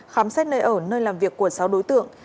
khám xét nơi ở nơi làm việc của sáu đối tượng